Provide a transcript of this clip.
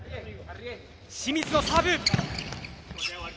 清水のサーブ。